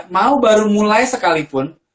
mau baru mulai sekalipun